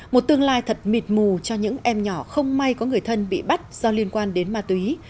một tương lai thật mịt mù cho những em nhỏ không may có người thân bị bắt do liên quan đến ma túy